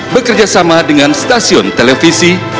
bekerjasama dengan stasiun televisi